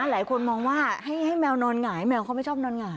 หลายคนมองว่าให้แมวนอนหงายแมวเขาไม่ชอบนอนหงาย